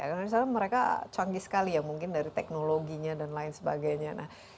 karena misalnya mereka canggih sekali ya mungkin dari teknologinya dan lain sebagainya